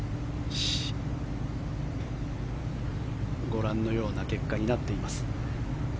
ご覧のような結果になっています。